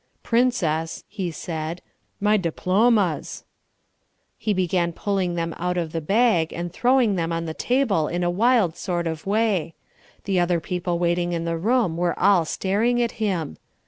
"Princess," he said, "my diplomas!" He began pulling them out of the bag and throwing them on the table in a wild sort of way. The other people waiting in the room were all staring at him.